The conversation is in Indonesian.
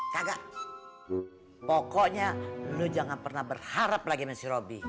kagak pokoknya lo jangan pernah berharap lagi sama si robi